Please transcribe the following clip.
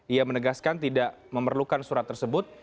ia menegaskan tidak memerlukan surat tersebut